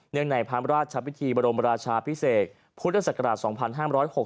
เนื่องในพระอำราชวิธีบรมราชาพิเศษพุทธศักราช๒๕๖๒